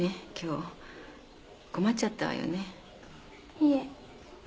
いえ。